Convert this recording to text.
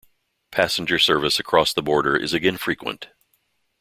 Passenger service across the border is again frequent.